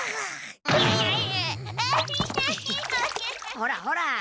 ほらほら。